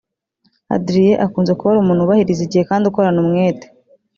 Adrien akunze kuba ari umuntu wubahiriza igihe kandi ukorana umwete